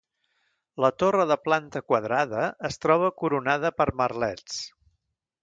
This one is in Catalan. La torre de planta quadrada es troba coronada per merlets.